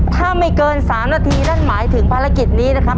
ถ้าไม่เกิน๓นาทีนั่นหมายถึงภารกิจนี้นะครับ